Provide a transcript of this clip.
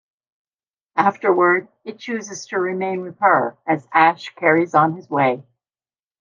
Afterward, it chooses to remain with her as Ash carries on his way.